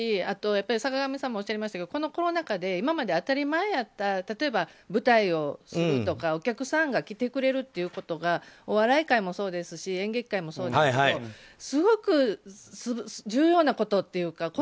あと坂上さんもおっしゃいましたがこのコロナ禍で今まで当たり前やった例えば舞台をするとかお客さんが来てくれるということがお笑い界もそうですし演劇界もそうですけどすごく重要なことというか。